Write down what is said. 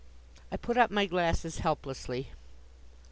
I put up my glasses, helplessly.